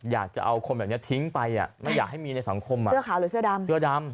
อยากจะเอาคนแบบนี้ทิ้งไปไม่อยากให้มีในสังคมเสื้อขาวหรือเสื้อดำ